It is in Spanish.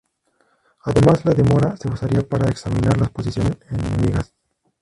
Además, la demora se usaría para examinar las posiciones enemigas.